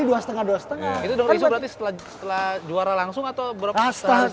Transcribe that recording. itu dong isu berarti setelah juara langsung atau berapa setelahnya